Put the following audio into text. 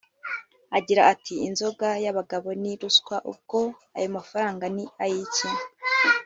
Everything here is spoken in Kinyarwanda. Agira ati “Inzoga y’abagabo ni ruswa…ubwo ayo mafaranga ni ay’iki